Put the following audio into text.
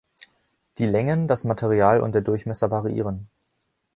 Die Längen, das Material und der Durchmesser variieren.